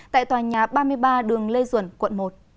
tại tòa nhà ba mươi ba đường lê duẩn quận một